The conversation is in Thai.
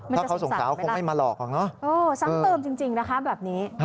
มันจะสงสารไม่ได้นะสังเติมจริงนะครับแบบนี้